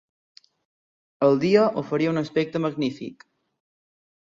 El dia oferia un aspecte magnífic.